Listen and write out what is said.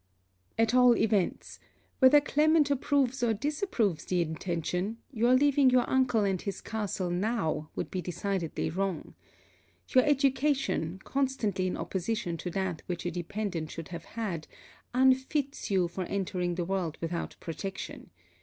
At all events, whether Clement approves or disapproves the intention, your leaving your uncle and his castle now would be decidedly wrong. Your education, constantly in opposition to that which a dependent should have had, unfits you for entering the world without protection.